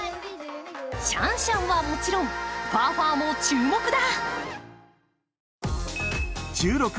シャンシャンはもちろんファーファーも注目だ。